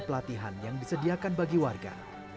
pelatihan yang disediakan bagi warga